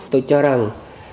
tôi cho rằng